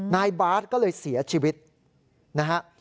นายบาทก็เลยเสียชีวิตนะฮะ